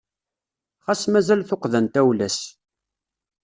Xas mazal tuqqda n tawla-s.